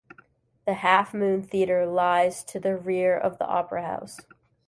The Half Moon Theatre lies to the rear of the Opera House.